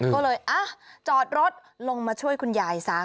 ก็เลยจอดรถลงมาช่วยคุณยายซะ